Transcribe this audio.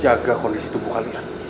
jaga kondisi tubuh kalian